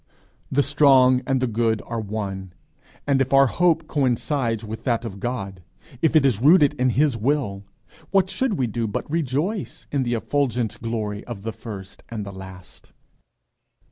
The strong and the good are one; and if our hope coincides with that of God, if it is rooted in his will, what should we do but rejoice in the effulgent glory of the First and the Last?